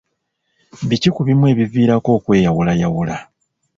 Biki ku bimu ebiviirako okweyawulayawula?